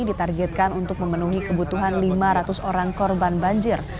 ditargetkan untuk memenuhi kebutuhan lima ratus orang korban banjir